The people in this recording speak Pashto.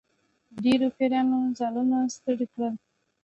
ډېرو پیرانو ځانونه ستړي کړل.